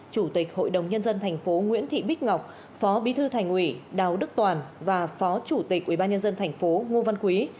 chủ tịch hội đồng nhân dân tp nguyễn thị bích ngọc phó bí thư thành ủy đào đức toàn và phó chủ tịch ubnd tp ngô văn quý